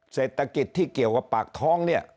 เศรษฐกิจที่เกี่ยวกับปากท้องเนี่ย